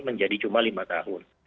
menjadi cuma lima tahun